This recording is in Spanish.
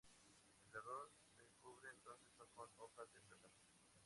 El arroz se cubre entonces con una hoja de plátano.